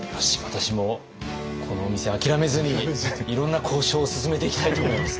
私もこのお店諦めずにいろんな交渉を進めていきたいと思います。